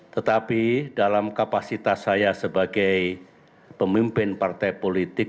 tetapi dalam kapasitas saya sebagai pemimpin partai politik